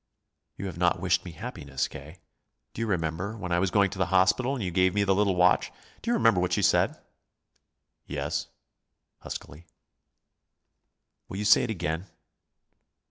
"You have not wished me happiness, K. Do you remember, when I was going to the hospital and you gave me the little watch do you remember what you said?" "Yes" huskily. "Will you say it again?"